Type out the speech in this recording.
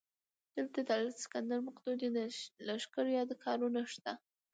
دلته د الکسندر مقدوني د لښکرو یادګارونه شته